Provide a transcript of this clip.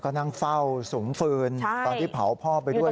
กองฟืนตอนที่เผาพ่อไปด้วย